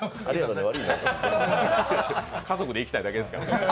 家族で行きたいだけですからね。